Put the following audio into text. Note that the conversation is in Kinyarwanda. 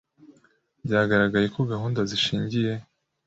Byagaragaye ko gahunda zishingiye